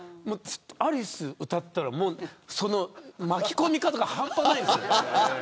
アリスを歌ったら巻き込み方が半端ないです。